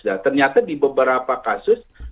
dan ternyata di beberapa kasus